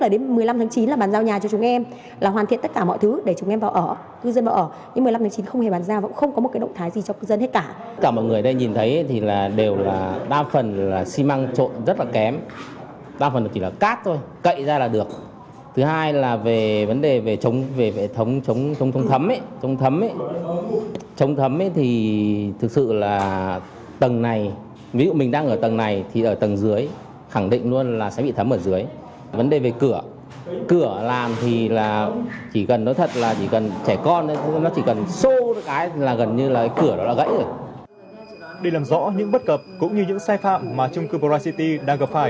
để làm rõ những bất cập cũng như những sai phạm mà chung cư poracity đang gặp phải